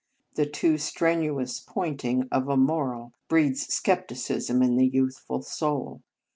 The too strenuous pointing of a moral breeds skepticism in the youthful soul.